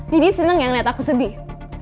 dedi seneng yang liat aku sedih